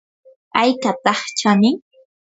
¿aykataq chanin?